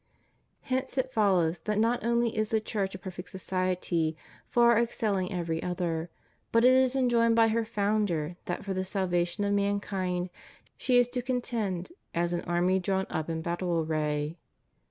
^ Hence it follows that not only is the Church a perfect society far exceUing every other, but it is en joined by her Founder that for the salvation of mankind she is to contend as an army drawn up in battle array.